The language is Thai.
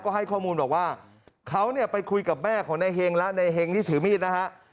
ก็ให้ข้อมูลบอกว่าเขาเนี่ยไปคุยกับแม่ของนายเฮงและนายเฮงที่ถือมีดนะฮะ